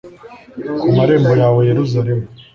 ku marembo yawe Yeruzalemu